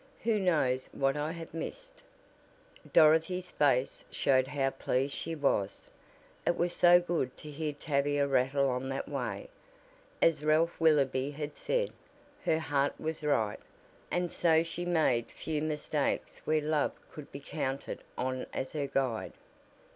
Who knows what I have missed?" Dorothy's face showed how pleased she was; it was so good to hear Tavia rattle on that way. As Ralph Willoby had said, her heart was right, and so she made few mistakes where love could be counted on as her guide.